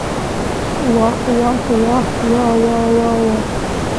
واه واه واه واوا واوا.